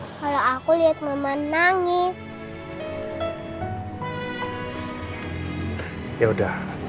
om maik cari dongengnya ya